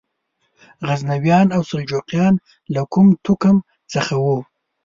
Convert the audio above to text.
غزنویان او سلجوقیان له کوم توکم څخه وو؟